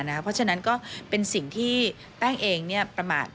เพราะฉะนั้นก็เป็นสิ่งที่แป้งเองประมาท